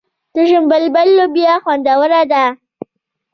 چشم بلبل لوبیا خوندوره ده.